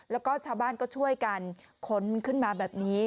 แล้วก็ชาวบ้านก็ช่วยกันค้นขึ้นมาแบบนี้